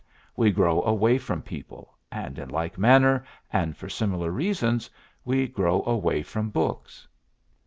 We grow away from people, and in like manner and for similar reasons we grow away from books."